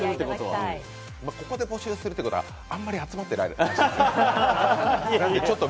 ここで募集するということはあまり集まってないということ。